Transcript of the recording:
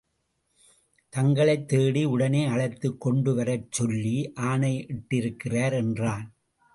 தங்களைத் தேடி உடனே அழைத்துக் கொண்டு வரச் சொல்லி ஆணையிட்டிருக்கிறார் என்றான்.